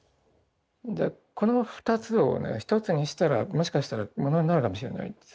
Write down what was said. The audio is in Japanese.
この２つをね１つにしたらもしかしたらものになるかもしれないって。